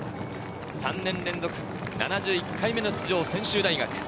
３年連続７１回目の出場の専修大学。